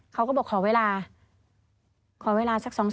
เขาก็บอกขอเวลาขอเวลาสัก๒๐